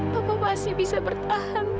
papa masih bisa bertahan